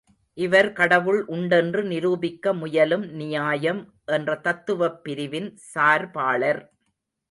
இவர் கடவுள் உண்டென்று நிரூபிக்க முயலும் நியாயம் என்ற தத்துவப் பிரிவின் சார்பாளர்.